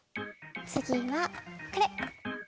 つぎはこれ。